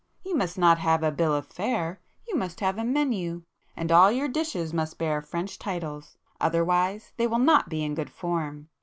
You must not have a 'Bill of Fare'; you must have a 'Menu'; and all your dishes must bear French titles, otherwise they will not be in good form.